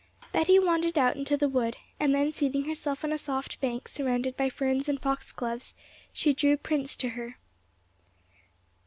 Betty wandered out into the wood, and then seating herself on a soft bank surrounded by ferns and foxgloves, she drew Prince to her.